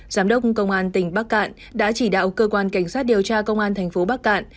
giám đốc công an tỉnh bắc cạn đã chỉ đạo cơ quan cảnh sát điều tra công an thành phố bắc cạn